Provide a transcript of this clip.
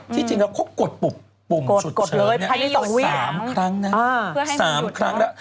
ที่จริงเขากดปุ่มชุดเชิญ๓ครั้งแล้ว